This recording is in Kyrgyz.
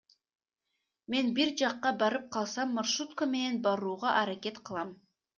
Мен бир жакка барып калсам, маршрутка менен барууга аракет кылам.